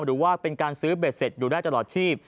หรือว่าเป็นการซื้อเบสเซ็ตอยู่แล้วตลอดที